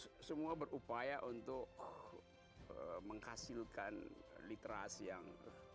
semua berupaya untuk menghasilkan literasi yang